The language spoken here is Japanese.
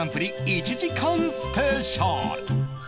１時間スペシャル